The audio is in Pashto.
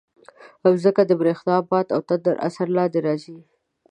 مځکه د برېښنا، باد او تندر اثر لاندې راځي.